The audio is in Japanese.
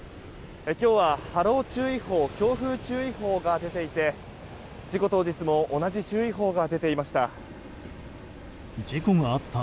今日は波浪注意報強風注意報が出ていて事故当日も同じ注意報が出ていました。